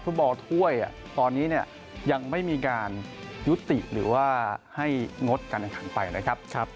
บอลถ้วยตอนนี้เนี่ยยังไม่มีการยุติหรือว่าให้งดการแข่งขันไปนะครับ